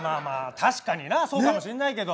確かになそうかもしんないけど。